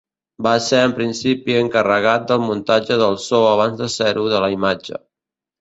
Va ser en principi encarregat del muntatge del so abans de ser-ho de la imatge.